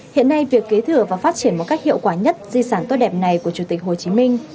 hiện nay việc kế thừa và phát triển một cách hiệu quả nhất di sản tốt đẹp này của chủ tịch hồ chí minh